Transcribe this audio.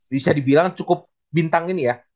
bisa dibilang cukup bintang ini ya